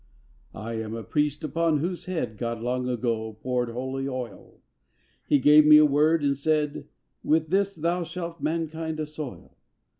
I am a priest upon whose head God long ago poured holy oil; He gave to me a Word and said: "With this thou shalt mankind assoil!"